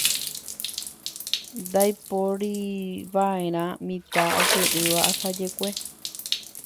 Ndaiporiva'erã mitã oke'ỹva asajekue.